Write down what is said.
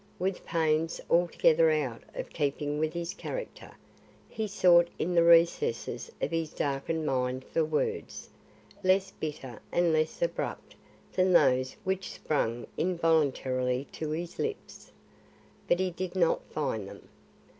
With pains altogether out of keeping with his character, he sought in the recesses of his darkened mind for words less bitter and less abrupt than those which sprang involuntarily to his lips. But he did not find them.